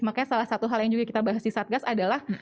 makanya salah satu hal yang juga kita bahas di satgas adalah